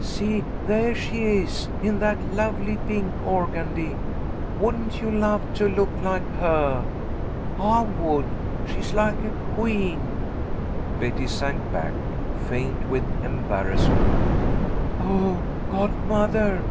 "See, there she is, in that lovely pink organdy. Wouldn't you love to look like her? I would. She's like a queen." Betty sank back, faint with embarrassment. "Oh, godmother!"